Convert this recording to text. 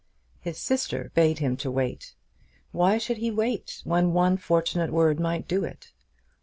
His sister bade him to wait. Why should he wait when one fortunate word might do it?